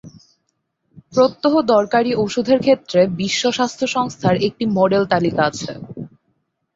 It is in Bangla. প্রত্যহ দরকারি ওষুধের ক্ষেত্রে বিশ্ব স্বাস্থ্য সংস্থার একটি মডেল তালিকা আছে।